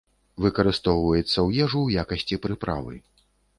Выкарыстоўваецца ў ежу ў якасці прыправы.